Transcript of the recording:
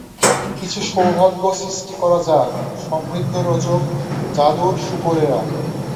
কিছু সৌভাগ্য সৃষ্টি করা যাক, সমৃদ্ধি-রচক জাদুর শুকরেরা!